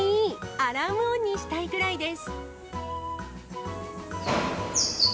アラーム音にしたいくらいです。